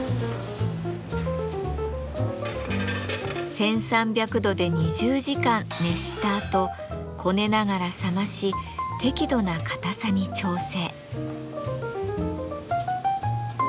１，３００度で２０時間熱したあとこねながら冷まし適度な硬さに調整。